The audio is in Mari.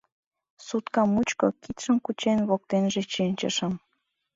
Сутка мучко кидшым кучен воктенже шинчышым.